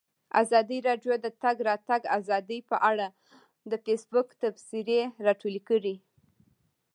ازادي راډیو د د تګ راتګ ازادي په اړه د فیسبوک تبصرې راټولې کړي.